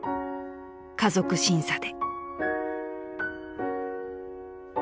［「家族審査で」］